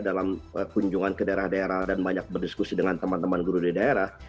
dalam kunjungan ke daerah daerah dan banyak berdiskusi dengan teman teman guru di daerah